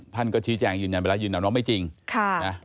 ท่านก็ชี้แจ้งยืนอย่างนั้นไปแล้วยืนอย่างนั้นน้องไม่จริง